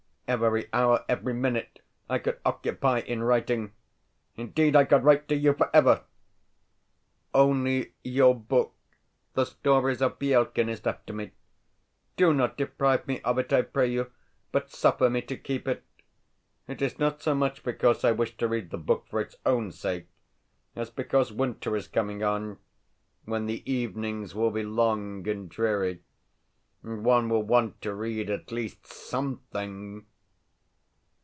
Every hour, every minute I could occupy in writing. Indeed I could write to you forever! Only your book, "The Stories of Bielkin", is left to me. Do not deprive me of it, I pray you, but suffer me to keep it. It is not so much because I wish to read the book for its own sake, as because winter is coming on, when the evenings will be long and dreary, and one will want to read at least SOMETHING.